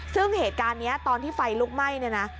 ซึ่งเหตุการณ์นี้ตอนที่ไฟลุกไหม้เนี่ยนะ